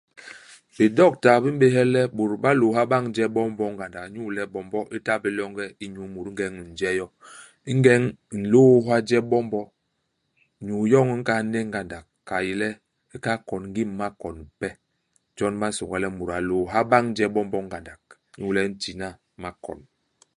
Bidokta bi m'béhe le bôt ba lôôha bañ je bombo ngandak inyu le bombo i ta bé longe i nyuu mut ingeñ u nje yo. Ingeñ u nlôôha je bombo, nyuu yoñ i nkahal ne ngandak, ka i yé le u kahal koñ ngim i makon ipe. Jon ba nsônga le mut lôôha bañ je bombo ngandak, inyu le i ntina makon.